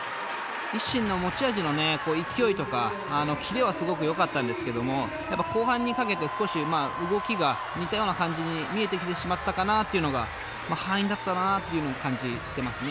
ＩＳＳＩＮの持ち味のね勢いとかキレはすごくよかったんですけどもやっぱ後半にかけて少し動きが似たような感じに見えてきてしまったかなっていうのが敗因だったなって感じてますね